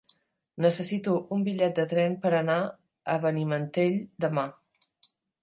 Necessito un bitllet de tren per anar a Benimantell demà.